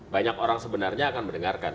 banyak orang sebenarnya akan mendengarkan